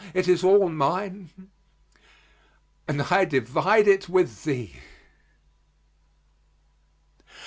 It is all mine, and I divide it with thee."